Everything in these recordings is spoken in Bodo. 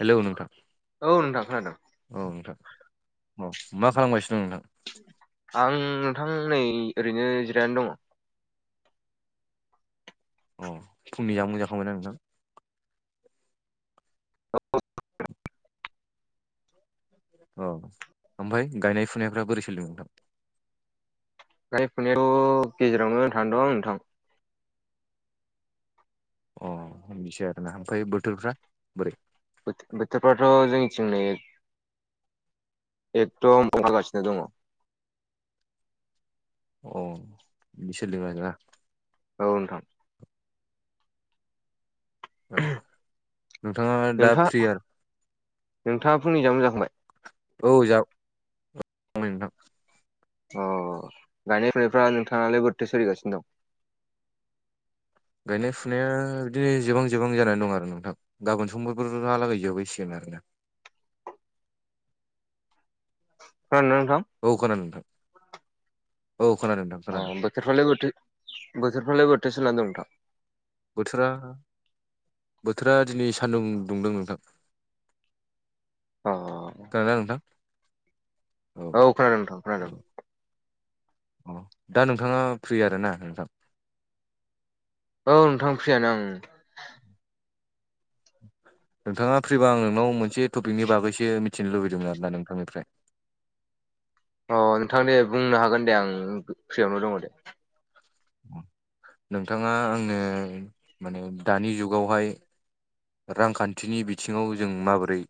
हेलौ नोंथां औ नोंथां खोनादोंं। औ नोंथां औ मा खालामगासिनो दं नोंथां? आं नोंथां नै ओरैनो जिरायनानै दङ। अ फुंनि जा [unintelligible] मोनजाखांबाय आं नोंथां? अ ओमफाय गायनाय फुनायफ्रा बोरै सोलिदों नोंथां? गाय फुनायाथ' गेजेरावनो थां दं नोंथां। अ होननोसै आरोना हामफायो बोथोरफ्रा बोरै? बोथोरफ्राथ' जोंनिथिंनो एकदम [unintelligible] गासिनो दङ। अ बिसोर [unintelligible] औ नोंथां नोंथाङा दा नोंथाङा फ्रि आरो नोंथाङा फुंनिआ जामु जाखांबाय? औ [unintelligible] नोंथां अ गायनाय फुनायफ्रा नोंथाङालाय बोरथै सोलिगासिनो दं? गायनाय फुनाया बिदिनो जोबां जोबां जानानै दं आरो नोंथां। गाबोन समफोरफोरहालागै जोबहैसिगोन आरो ना। खोनादोंना नोंथां? औ खोनादों नोंथां औ खोनादों नोंथां खोनादों। अ बोथोरफ्रालाय बोथोर बोथोरफ्रालाय बोथोर सोलानै नोथां? बोथोरा बोथोरा दिनै सानदुं दुंदों नोंथां। अ [unintelligible] नोथां औ खोनादों नोंथां खोनादों। अ दा नोंथाङा फ्रि आर ना नोंथां? औ नोंथां फ्रियानो आं ओं। नोंथाङा फ्रिबा आं नोंनाव मोनसे टपिकनि बागैसो मिथिनो लुबैदोंमोन आरोना नोंथांनिफ्राय। अ नोंथां दे बुंनो हागोन दे आं फ्रियावनो दङ दे। नोंथाङा आंनो माने दानि जुगावहाय रांखान्थिनि बिथिङाव जों माबोरै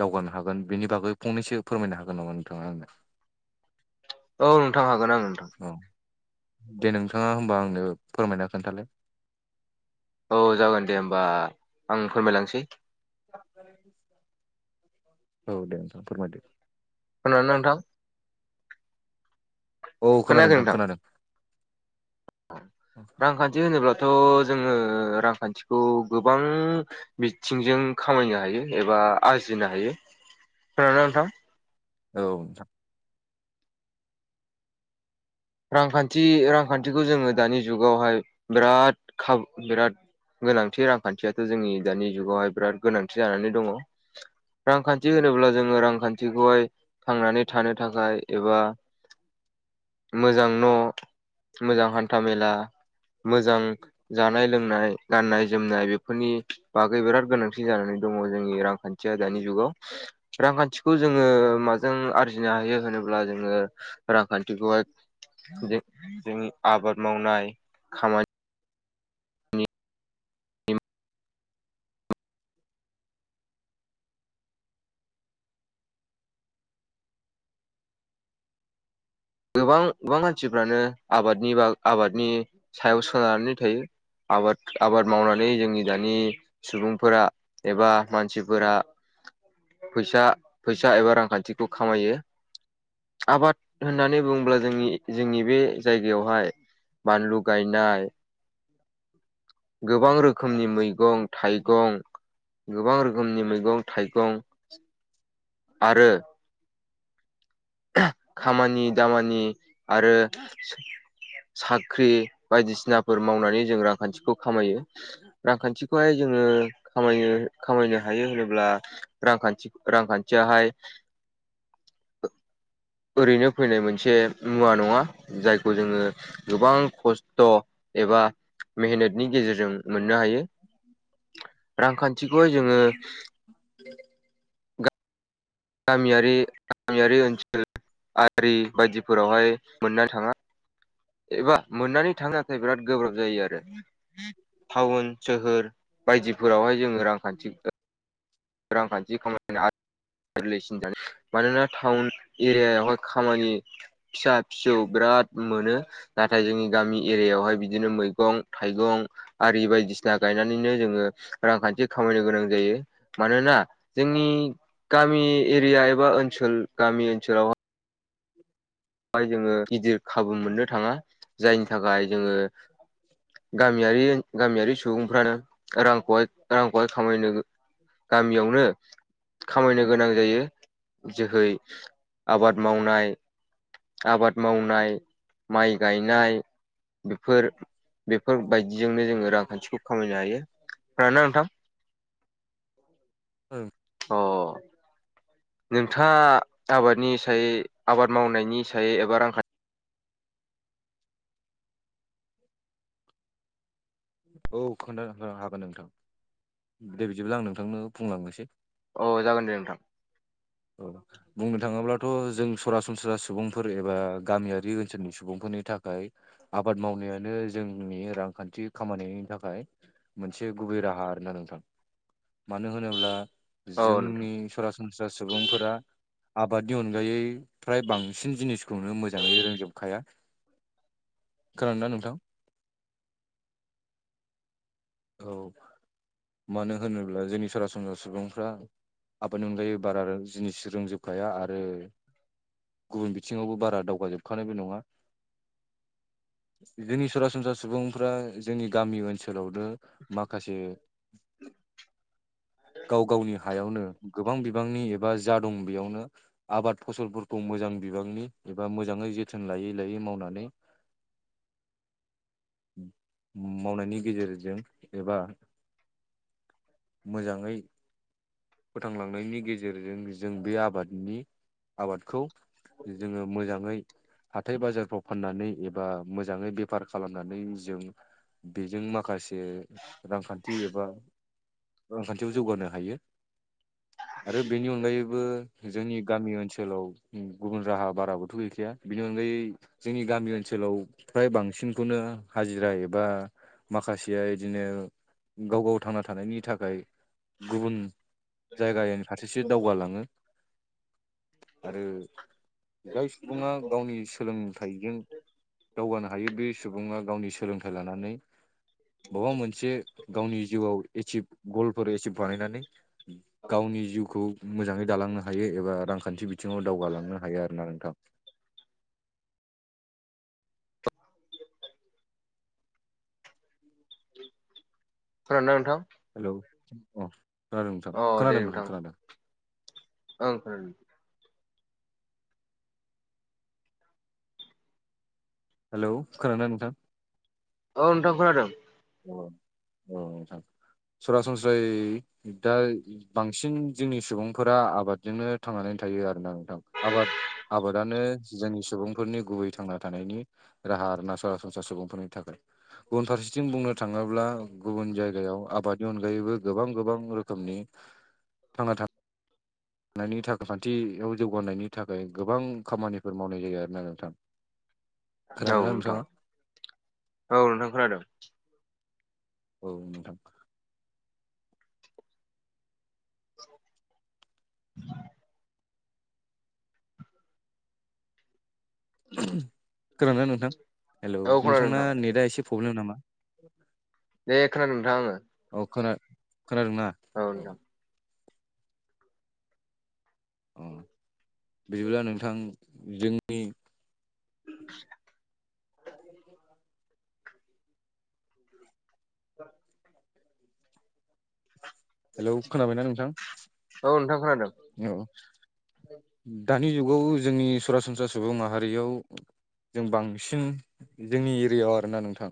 दावगानो हागोन बेनि बागै फंनैसो फोरमायनो हागोन नामा नोंथाङा आंनो? औ नोंथां हागोन आं नोंथां। दे नोंथाङा होमबा आंनो फोरमायना खोन्थालाय। औ जागोन दे होमबा आं फोरमायलांसै। औ दे नोंथां फोरमायदो। खोनादोंना नोंथां? औ खोनादों नोंथां खोनादों। रांखान्थि होनोब्लाथ' जोङो रांखान्थिखौ गोबां बिथिंजों खामायनो हायो एबा आरजिनो हायो। खोनादोंना नोंथां? औ नोंथां। रांखान्थि रांखान्थिखौ जोङो दानि जुगावहाय बिराद खाब बिराद गोनांथि रांखान्थियाथ' जोंनि दानि जुगावहाय बिराद गोनांथि जानानै दङ। रांखान्थि होनोब्ला जोङो रांखान्थिखौहाय थांनानै थानो थाखाय एबा मोजां न' मोजां हान्था मेला मोजां जानाय लोंनाय गाननाय जोमनाय बेफोरनि बागै बिराद गोनांथि जानानै दङ जोंनि रांखान्थि थिया दानि जुगाव रांखान्थि खौ जोङो माजों आरजिनो हायो होनोब्ला जोङो रांखान्थिखौहाय [inaudible] जोंनि आबाद मावनाय खामानि गोबां गोबां मानसिफ्रानो आबादनि बा आबादनि सायाव सोननानै थायो। आबाद आबाद मावनानै जोंनि दानि सुबुंफोरा एबा मानसिफोरा फैसा फैसा एबा रांखान्थिखौ खामायो आबाद होननानै बुङोब्ला जोंनि जोंनि बे जायगायावहाय बानलु गायनाय गोबां रोखोमनि मैगं थाइगं गोबां रोखोम रोखोमनि मैगं थाइगं आरो खामानि दामानि आरो साख्रि बायदिसिनाफोर मावनानै जों रांखान्थिखौ खामायो। रांखान्थिखौहाय जोङो खामायनो खामायनो हायो होनोब्ला रांखान्थि रांखान्थियाहाय ओरैनो फैनाय मोनसे मुवा नङा जायखौ जोङो गोबां खस्थ' एबा मेहनतनि गेजेरजों मोननो हायो रांखान्थिखौहाय जोङो [inaudible] गामियारि गामियारि ओनसोल आरि बायदिफोरावहाय मोननो थाङा। एबा मोननानै थांनो बिराद गोब्राब जायो आरो। टाउन सोहोर बायदिफोरावहाय जोङो रांखान्थि रांखान्थि खामायनो आर गोरलैसिन [inaudible] मानोना टाउन एरियायावहाय खामानि फिसा फिसौ बिराद मोनो नाथाय जोंनि गामि एरियायावहाय बिदिनो मैगं थाइगं आरि बायदिसिना गायनानैनो जोङो रांखान्थि खामायनो गोनां जायो। मानोना जोंनि गामि एरिया एबा ओनसोल गामि ओनसोलाव बाय जोङो गिदिर खाबु मोननो थाङा जायनि थाखाय जोङो गामियारि गामियारि सुबुंफ्रानो रांखौहाय रांखौहाय खामायनो गामियावनो खामायनो गोनां जायो जोहै आबाद मावनाय आबाद मावनाय माइ गायनाय। बेफोर बेफोरबायदिजोंनो जोङो रांखान्थिखौ खामायनो हायो खोनादना नोंथां? [inaudible] ओ अ। नोंथाङा आबादनि सायै आबाद मावनायनि सायै एबा रांखान्थि [inaudible] [unintelligible] दे बिदिब्ला आं नोंथांनो बुंलांनोसै। औ जागोन दे नोंथां। अ। बुंनो थाङोब्लाथ' जों सरासनस्रा सुबुंफोर एबा गामियारि ओनसोलनि सुबुंफोरनि थाखाय आबाद मावनायानो जोंनि रांखान्थि खामानिनि थाखाय मोनसे गुबै राहा आरा नोंथां मानो होनोब्ला औ नोंथां जोंनि सरासनस्रा सुबुंफोरा आबादनि अनगायै फ्राय बांसिन जिनिसखौनो मोजाङै रोंजोबखाया। खोनादों ना नोंथां औ मानो होनोब्ला जोंनि सरासनस्रा सुबुंफ्रा आबादनि अनगायै बारा जिनिस रोंजोबखाया आरो गुबुन बिथिङावबो बारा दावगाजोबखानायबो नङा। जोंनि सरासनस्रा सुबुंफ्रा जोंनि गामि ओनसोलावनो माखासे [inaudible] गाव गावनि हायावनो गोबां बिबांनि एबा जा दं बेयावनो आबाद फसलफोरखौ मोजां बिबांनि एबा मोजाङै जोथोन लायै लायै मावनानै [inaudible] मावनायनि गेजेरजों एबा मोजां ङै फोथांलांनायनि गेजेरजों जों बे आबादनि आबादखौ जोङो मोजाङै। आथ थाय बाजारफ्राव फाननानै एबा मोजाङै बेफार खालामनानै जों बेजों माखास से रांखान्थि एबा रांखान्थियाव जौगानो हायो। आरो बेनि अनगायैबो जोंनि गामि ओनसोलाव गुबुन राहा बाराबोथ' गैखाया बिनि अनगायै जोंनि गामि ओनसोलाव फ्राय बांसिनखौनो हाजिरा एबा माखासेया इदिनो गाव गाव थांना थानायनि थाखाय गुबुन जायगानि फारसेसो दावगालाङो। आरो जाय सुबुङा गावनि सोलों थाइजों दावगानो हायो बे सुबुङा गावनि सोलोंथाइ लानानै माबा मोनसे गावनि जिउआव एसिभ गलफोर एसिभ बानायनानै गावनि जिउखौ मोजाङै दालांनो हायो एबा रांखान्थि बिथिङाव दावगालांनो हायो आरो ना नोंथां खोनादों ना नोंथां? हेलौ अ खोनादों नोंथां अ दे खोनादों नोंथां खोनादों ओं खोनादों। हेलौ खोनादों ना नोंथां? औ नोंथां खोनादों [unintelligible] औ औ सरासनस्रायै दा बांसिन जोंनि सुबुंफोरा आबादजोंनो थांनानै थायो आरोना नोंथां आबाद आबादानो जोंनि सुबुंफोरनि गुबै थांना थानायनि राहा आर ना सरासनस्रा सुबुंफोरनि थाखाय गुबुनफारसे थिं बुंनो थांङोब्ला गुबुन जायगायाव आबादनि अनगायैबो गोबां गोबां रोखोमनि थांना था नायनि थाखो खान्थियाव जौगानायनि थाखाय गोबां खामानिफोर मावनाय जायो आरोना नोंथां औ खोनादोंना नोंथां नोंथाङा औ नोंथां खोनादों औ नोंथां [inaudible] खोनादों ना नोंथां हेलौ औ खोनादों नोंथांना नोंथां नेटआ एसे प्रब्लेम नामा? दे खोनादों नोंथां आंङो औ खोना खोनादोंना औ नोंथां अ बिदिब्ला नोंथां जोंनि [inaudible] [inaudible] हेलौ खोनाबायना नोंथां औ नोंथां खोनादों औ दानि जुगाव जोंनि सरासनस्रा सुबुं माहारियाव जों बांसिन जोंनि एरियायाव आरोना नोंथां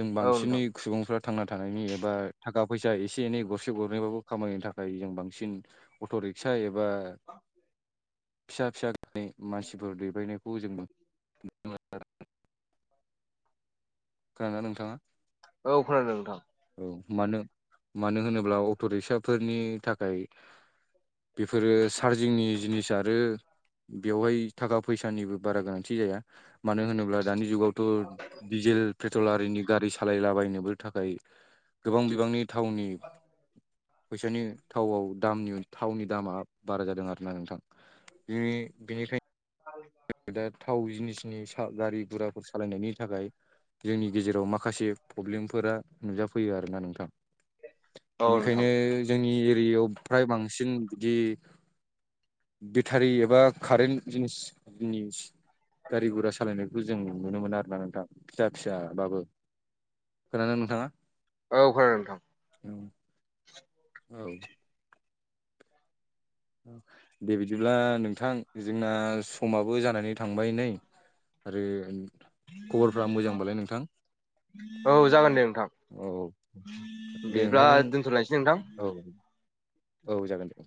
जों औ नोंथां बांसिनै सुबुंफ्रा थांना थानायनि एबा थाखा फैसा एसे एनै गरसे गरनैबाबो खामायनो थाखाय जों बांसिन अट रिक्सा एबा फिसा फिसा गानै मानसिफोर दैबायनायखौ जोंबो खोनादों‌ना नोंथाङा औ खोनायदों नोंथां औ मानो मानो होनोब्ला अट' रिक्साफोरनि थाखाय बेफोरो चार्जिंनि जिनिस आरो बेवहाय थाखा फैसानिबो बारा गोनांथि जाया मानो होनोब्ला दानि जुगावथ' डिजेल पेट्रल आरारिनि गारि सालायलाबायनोबो थाखाय गोबां बिबांनि थावनि फैसानि थावआव दाम थावनि दामा बारा जादों आरो ना नोंथां बिनि बिनिखायनो औ दा थाव जिनिसनि गारि गुराफोर सालायनायनि थाखाय जोंनि गेजेराव माखासे प्रब्लेमफोरा नुजाफैयो आरोना नोंथां औ बेनिखायनो नोंथां जोंनि एरियायाव फ्राय बांसिन बिदि बेटारि एबा कारेन्ट जिनिसनि गारि गुरा सालायनो बेखौ जों नुनो मोनो आरोना नोंथां फिसा फिसाबाबो खोनानो नोंथाङा औ खोनादों नोंथां उम औ दे बिदिब्ला नोंथां जोंना समाबो जानानै थांबाय नै आरो खबरफ्रा मोजांबालाय नोंथां औ जागोन दे नोंथां औ बिदिब्ला दोनथ'लायसै नोंथां औ-औ जागोन दे